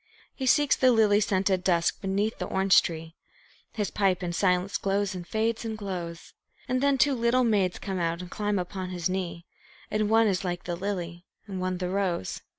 He seeks the lily scented dusk beneath the orange tree; His pipe in silence glows and fades and glows; And then two little maids come out and climb upon his knee, And one is like the lily, one the rose.